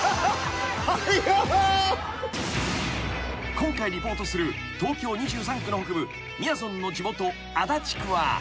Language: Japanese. ［今回リポートする東京２３区の北部みやぞんの地元足立区は］